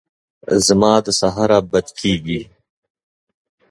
زما د سهاره بد کېږي !